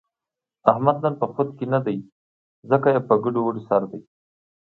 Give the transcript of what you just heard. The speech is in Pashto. احمد نن په خود کې نه دی، ځکه یې په ګډوډو سر دی.